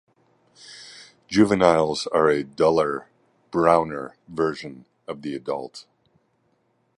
Juveniles are a duller, browner version of the adult.